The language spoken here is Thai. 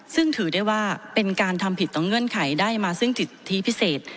ซึ่งถือได้ว่าเป็นการทำผิดต่อเงื่อนไขได้มาซึ่งสิทธิพิเศษ